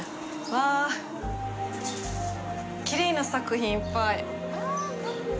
わあ、きれいな作品いっぱい。